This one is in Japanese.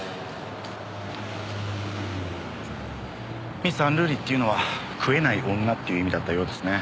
ミス・アンルーリーっていうのは食えない女っていう意味だったようですね。